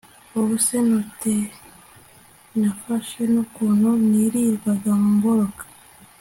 ubuse notenafashe, n'ukuntu nirirwaga mboroka